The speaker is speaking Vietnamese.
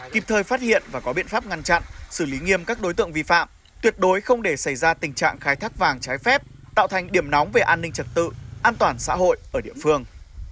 kịp thời phát hiện và có biện pháp ngăn chặn xử lý nghiêm các đối tượng vi phạm tuyệt đối không để xảy ra tình trạng khai thác vàng trái phép tạo thành điểm nóng về an ninh trật tự an toàn xã hội ở địa phương